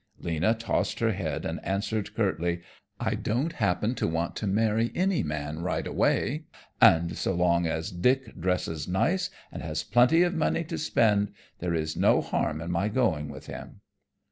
Lena tossed her head and answered curtly, "I don't happen to want to marry any man right away, and so long as Dick dresses nice and has plenty of money to spend, there is no harm in my going with him."